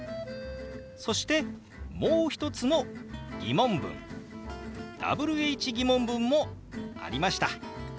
そしてもう一つの疑問文Ｗｈー疑問文もありました。